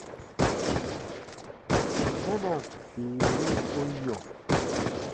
Mana bii wi u yɔ̃ ?